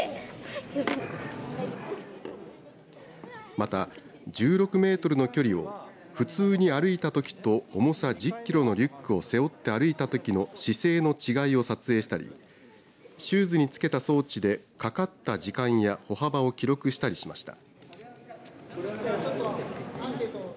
また１６メートルの距離を普通に歩いたときと重さ１０キロのリュックを背負って歩いたときの姿勢の違いを撮影したりシューズに付けた装置でかかった時間や歩幅を記録したりしました。